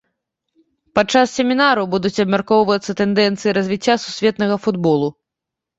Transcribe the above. Падчас семінару будуць абмяркоўвацца тэндэнцыі развіцця сусветнага футболу.